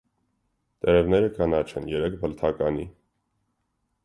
Տերևները կանաչ են, երեք բլթականի։